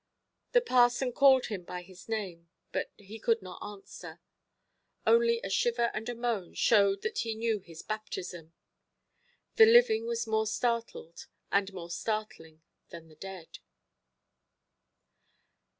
The parson called him by his name, but he could not answer; only a shiver and a moan showed that he knew his baptism. The living was more startled, and more startling, than the dead.